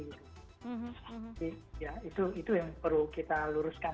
ya itu yang perlu kita luruskan